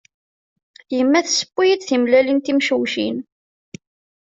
Yemma tseww-iyi-d timellalin timcewcin.